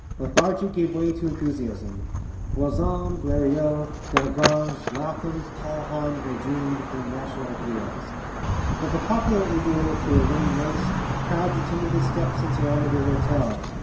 Lethargy gave way to enthusiasm. Voisin, Blériot, Delagrange, Latham, Paulhan, Védrines became national heroes. If a popular aviator flew a winning race, crowds attended his steps and surrounded his hotel.